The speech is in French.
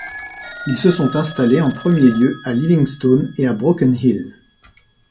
Ils se sont installés en premier lieu à Livingstone et à Broken Hill.